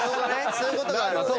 そういうことがあるのね。